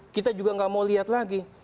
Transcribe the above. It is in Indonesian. kita juga nggak mau lihat lagi